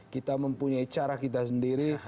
kita mempunyai cara kita sendiri